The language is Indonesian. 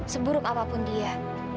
seburuk apapun dia